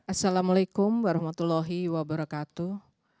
assalamu alaikum warahmatullahi wabarakatuh